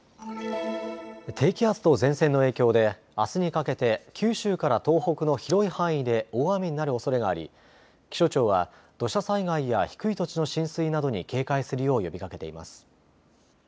低気圧と前線の影響であすにかけて九州から東北の広い範囲で大雨になるおそれがあり、気象庁は土砂災害や低い土地の浸水などに警戒するよう呼びかけています。